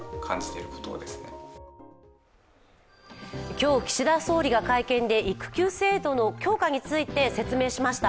今日、岸田総理が会見で育休制度の強化について説明しました。